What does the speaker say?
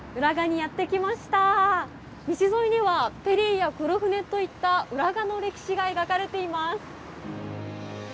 道沿いにはペリーや黒船といった浦賀の歴史が描かれています。